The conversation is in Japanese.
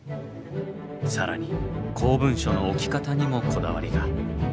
更に公文書の置き方にもこだわりが。